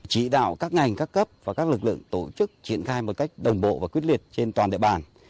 chỉ đạo các ngành các cấp và các lực lượng tổ chức triển khai một cách đồng bộ và quyết liệt trên toàn địa bàn